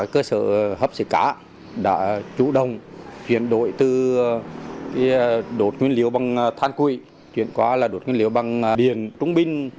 cả cơ sở hấp xấy cá đã chủ động